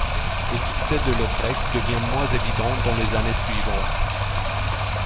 Le succès de Lautrec devient moins évident dans les années suivantes.